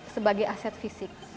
sebagai aset fisik